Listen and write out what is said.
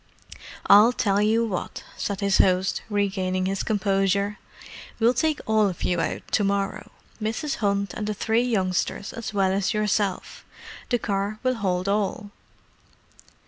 "I'll tell you what," said his host, regaining his composure. "We'll take all of you out to morrow—Mrs. Hunt and the three youngsters as well as yourself. The car will hold all."